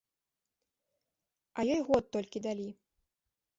А ёй год толькі далі.